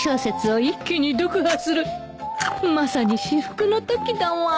まさに至福のときだわ